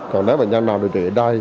còn nếu bệnh nhân nào điều trị ở đây